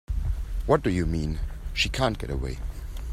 What do you mean she can't get away?